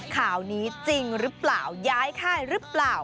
ข่าวนี้จริงหรือเปล่าย้ายค่ายหรือเปล่า